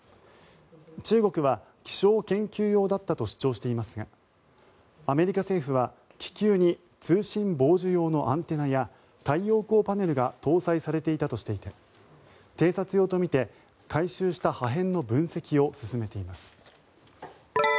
中国は気象研究用だったと主張していますがアメリカ政府は気球に通信傍受用のアンテナや太陽光パネルが搭載されていたとしていて偵察用とみて回収した破片の分析を進めています。